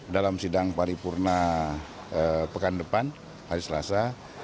dalam sidang paripurna pekan depan hari selasa